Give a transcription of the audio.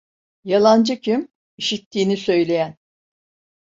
Yalancı kim? İşittiğini söyleyen.